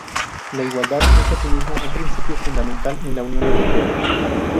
La igualdad es, asimismo, un principio fundamental en la Unión Europea.